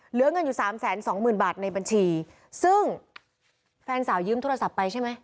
เหลือเงินอยู่สามแสนสองหมื่นบาทในบัญชีซึ่งแฟนสาวยืมโทรศัพท์ไปใช่ไหม